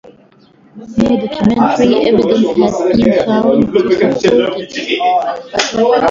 No documentary evidence has been found to support it.